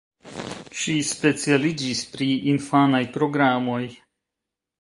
Ŝi specialiĝis pri infanaj programoj.